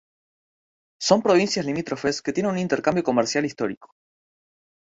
Son provincias limítrofes que tienen un intercambio comercial histórico.